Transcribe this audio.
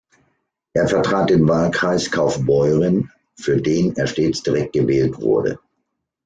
Er vertrat den Wahlkreis Kaufbeuren, für den er stets direkt gewählt wurde.